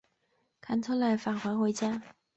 斡特懒返还回家。